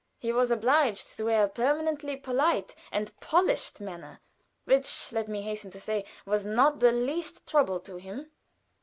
He was obliged to wear a permanently polite and polished manner (which, let me hasten to say, was not the least trouble to him).